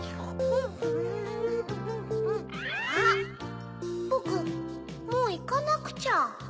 あっボクもういかなくちゃ。